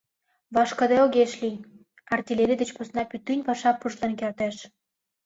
Вашкыде огеш лий: артиллерий деч посна пӱтынь паша пужлен кертеш.